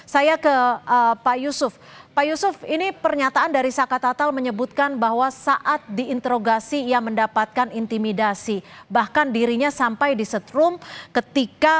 saya ke pak yusuf pak yusuf ini pernyataan dari saka tatal menyebutkan bahwa saat diinterogasi ia mendapatkan intimidasi bahkan dirinya sampai di setrum ketika